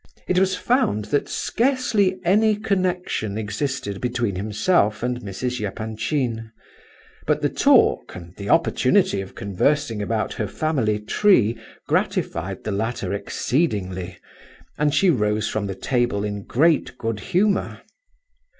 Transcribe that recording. It was found that scarcely any connection existed between himself and Mrs. Epanchin, but the talk, and the opportunity of conversing about her family tree, gratified the latter exceedingly, and she rose from the table in great good humour.